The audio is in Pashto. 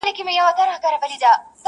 • شماره هغه بس چي خوی د سړو راوړي,